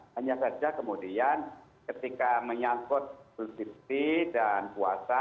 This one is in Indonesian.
hanya saja kemudian ketika menyangkut bulgisti dan puasa